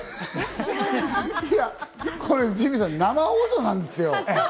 いや、ジミーさん、これ生放送なんですよ。